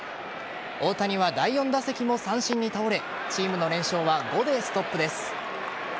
大谷は第４打席も三振に倒れチームの連勝は５でストップです。